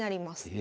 え？